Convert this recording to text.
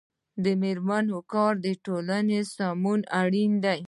د میرمنو کار د ټولنې سمون اړین دی.